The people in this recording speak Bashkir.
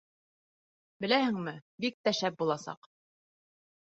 Беләһеңме, бик тә шәп буласаҡ.